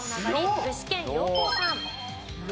具志堅用高さん。